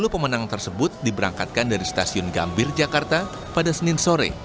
sepuluh pemenang tersebut diberangkatkan dari stasiun gambir jakarta pada senin sore